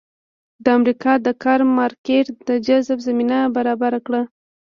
د امریکا د کار مارکېټ د جذب زمینه برابره کړه.